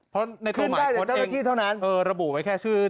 เพราะในตัวหมายค้นเองระบุไว้แค่ชื่อเจ้าพนักงานขึ้นได้แต่เจ้าหน้าที่เท่านั้น